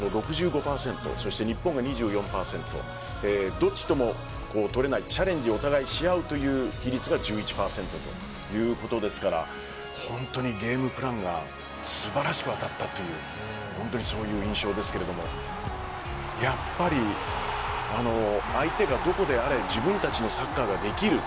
そして日本が２４％どっちともとれないチャレンジをお互いし合うという比率が１１％ということですから本当にゲームプランが素晴らしく当たったという本当にそういう印象ですけれどもやっぱり相手がどこであれ自分たちのサッカーができる。